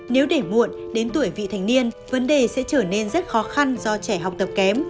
nếu để muộn đến tuổi vị thành niên vấn đề sẽ trở nên rất khó khăn do trẻ học tập kém